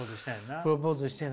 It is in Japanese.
プロポーズしてな。